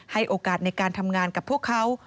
ให้โอกาสในการทำงานกับพวกเขา